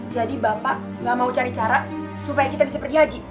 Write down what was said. jadi bapak gak mau cari cara supaya kita bisa pergi haji